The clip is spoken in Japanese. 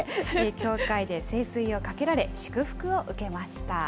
教会で聖水をかけられ、祝福を受けました。